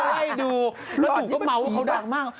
แล้วหนูก็เมาท์เขาดังมาก